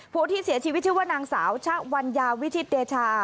ผู้ที่เสียชีวิตชื่อว่านางสาวชะวัญญาวิชิตเดชา